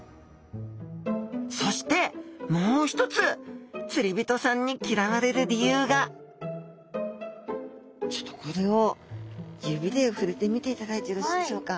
そしてもう一つ釣り人さんに嫌われる理由がちょっとこれを指で触れてみていただいてよろしいでしょうか。